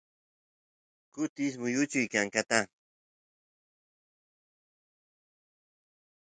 kutis muyuchi kankata